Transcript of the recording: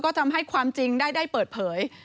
ก็ทำให้ความจริงได้เปิดเผย